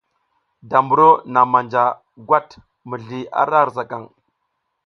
Da mburo naŋ manja gwat mizli ra hirsakaŋ.